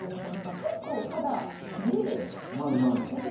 結構ただ地味です。